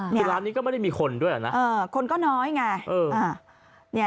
แต่ร้านนี้ก็ไม่ได้มีคนด้วยหรอนะคนก็น้อยไงเออ